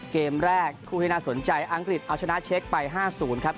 เกมแรกคู่ที่น่าสนใจอังกฤษเอาชนะเช็คไป๕๐ครับ